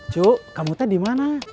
cu kamu tadi dimana